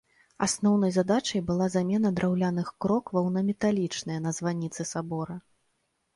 Асноўнай задачай была замена драўляных крокваў на металічныя на званіцы сабора.